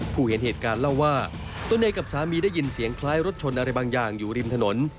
เห็นเหตุการณ์เล่าว่าตนเองกับสามีได้ยินเสียงคล้ายรถชนอะไรบางอย่างอยู่ริมถนน